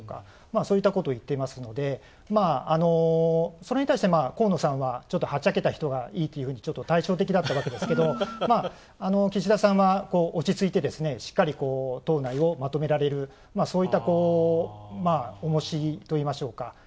そういったことを言ってますので、それに対して河野さんはちょっとはっちゃけた人がいいっていうふうに対照的だったわけですけど岸田さんは落ち着いてしっかり党内をまとめられる、そういったおもしといいましょうか。